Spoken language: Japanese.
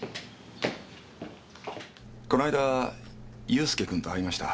この間佑介君と会いました。